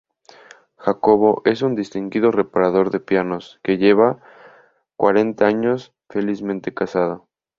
Jacobo es un distinguido reparador de pianos que lleva cuarenta años felizmente casado.